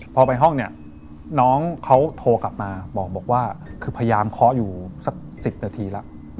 พอไปห้องเนี่ยน้องเขาโทรกลับมาบอกว่าคือพยายามเคาะอยู่สัก๑๐นาทีแล้ว